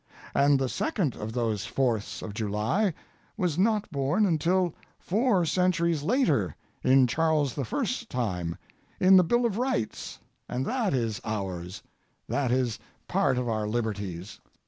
And the second of those Fourths of July was not born until four centuries later, in, Charles the First's time, in the Bill of Rights, and that is ours, that is part of our liberties.